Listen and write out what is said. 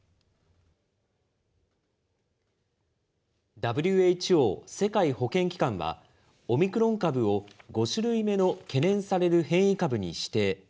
ＷＨＯ・世界保健機関は、オミクロン株を５種類目の懸念される変異株に指定。